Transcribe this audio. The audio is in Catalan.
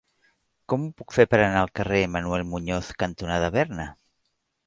Com ho puc fer per anar al carrer Manuel Muñoz cantonada Berna?